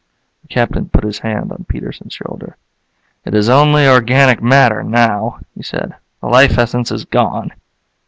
The Captain put his hand on Peterson's shoulder. "It is only organic matter, now," he said. "The life essence is gone."